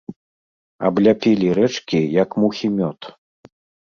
Абляпілі рэчкі, як мухі мёд.